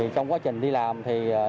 trong quá trình đi làm thì